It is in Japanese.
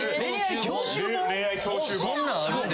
そんなんあるんですか？